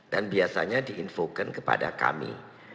dan biasanya diinfokan kepada kami